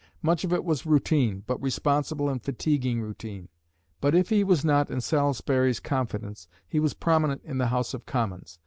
Much of it was routine, but responsible and fatiguing routine. But if he was not in Salisbury's confidence, he was prominent in the House of Commons.